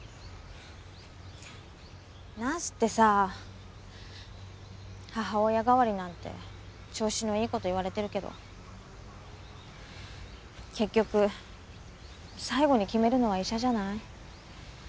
ナースってさ母親代わりなんて調子のいいこと言われてるけど結局最後に決めるのは医者じゃない？